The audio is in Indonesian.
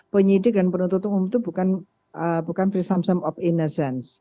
penyidik dan penuntut umum itu bukan presumption of innocence